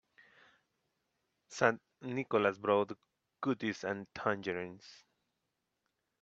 St. Nicholas brought goodies and tangerines.